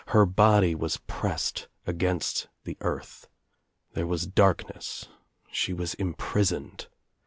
Her body was pressed against the earth. There was darkness. She 1 was imprisoned.